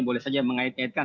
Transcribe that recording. boleh saja mengait ngaitkan